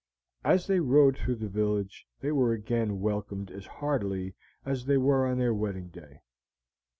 As they rode through the village they were again welcomed as heartily as they were on their wedding day.